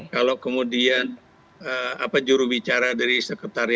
kalau kemudian jurubicara dari sekretaris